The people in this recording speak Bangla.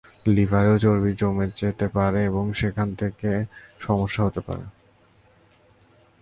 লিভারেও চর্বি জমে যেতে পারে এবং সেখান থেকে সমস্যা হতে পারে।